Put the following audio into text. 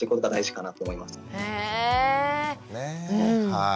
はい。